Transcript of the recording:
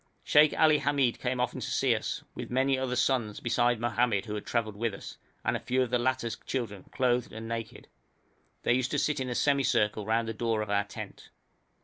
Sheikh Ali Hamid came often to see us, with many other sons, besides Mohamed, who had travelled with us, and a few of the latter's children, clothed and naked. They used to sit in a semicircle round the door of our tent.